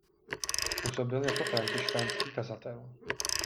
Působil jako františkánský kazatel.